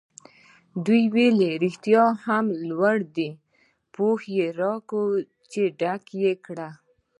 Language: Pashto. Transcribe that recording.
ویې ویل: رښتیا هم لوی دی، پوښ راکړه چې ډک یې کړم.